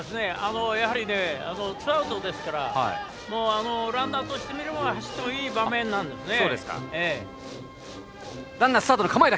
やはりツーアウトですからランナーとしてみると走ってもいい場面なんですね。